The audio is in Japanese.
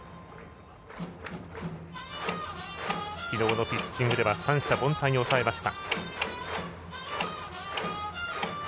きのうのピッチングでは三者凡退に抑えました。